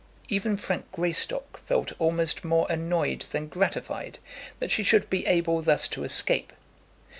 Even Frank Greystock felt almost more annoyed than gratified that she should be able thus to escape.